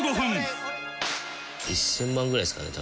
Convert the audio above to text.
１０００万ぐらいですかね